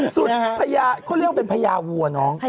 สุทธิ์พยาคุณพะยาเขาเรียกเป็นพยาวัว